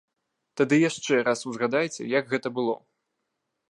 Тады яшчэ раз узгадайце, як гэта было.